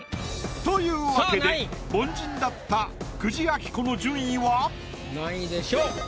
というわけで凡人だった久慈暁子の順位は。